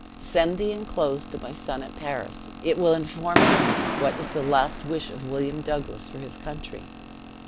Send the inclosed to my son at Paris; it will inform him what is the last wish of William Douglas for his country.